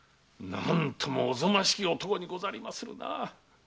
何ともおぞましき男にござりますなあ！